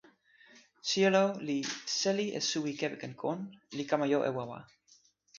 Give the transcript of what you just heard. sijelo li seli e suwi kepeken kon li kama jo e wawa.